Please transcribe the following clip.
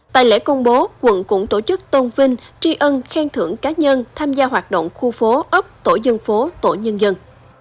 tại lễ công bố quận cũng tổ chức tôn vinh tri ân khen thưởng cá nhân tham gia hoạt động khu phố ấp tổ dân phố tổ nhân dân